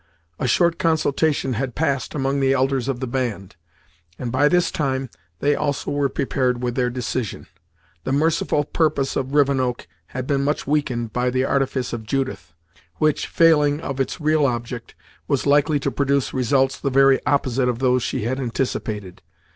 A short consultation had passed among the elders of the band, and by this time they also were prepared with their decision. The merciful purpose of Rivenoak had been much weakened by the artifice of Judith, which, failing of its real object, was likely to produce results the very opposite of those she had anticipated.